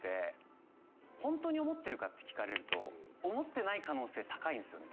本当に思ってるかって聞かれると思ってない可能性高いんですよね